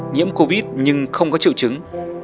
một nhiễm covid nhưng không có triệu chứng